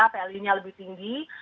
jadi kita ingin nilainya lebih tinggi